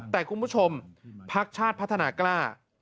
แต่คุณผู้ชมพักชาติพัฒนากล้า